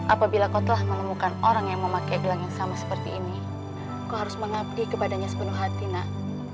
apabila kau telah menemukan orang yang memakai gelang yang sama seperti ini kau harus mengabdi kepadanya sepenuh hati nak